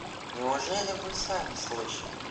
Неужели вы сами слышали?